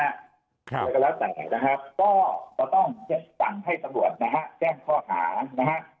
แล้วก็แล้วแต่นะฮะก็ต้องสั่งให้ตำรวจแจ้งข้อหานะฮะ